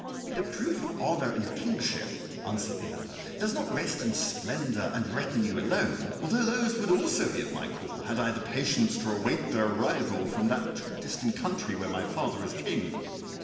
"The proof of honour and kingship," answered the other, "does not rest in splendour and retinue alone, though these also would be at my call had I the patience to await their arrival from that too distant country where my father is king.